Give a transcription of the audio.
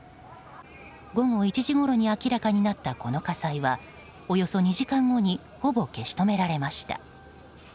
午後１時ごろに明らかになったこの火災はおよそ２時間後にほぼ消し止められました。